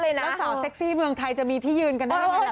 แล้วสาวเซ็กซี่เมืองไทยจะมีที่ยืนกันได้ยังไง